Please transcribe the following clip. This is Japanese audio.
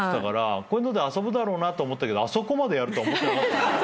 こういうので遊ぶだろうなと思ったけどあそこまでやるとは思ってなかった。